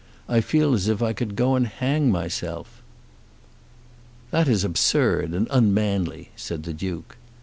I feel as if I could go and hang myself." "That is absurd, and unmanly," said the Duke.